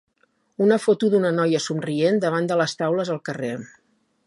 Una foto d'una noia somrient davant de les taules al carrer.